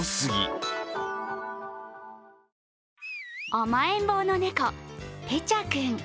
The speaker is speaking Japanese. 甘えん坊の猫、ぺちゃ君。